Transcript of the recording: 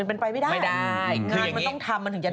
เป็นไปไม่ได้งานมันต้องทำมันถึงจะได้